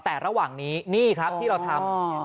แต่ระหว่างนี้นี่ครับที่เราทำ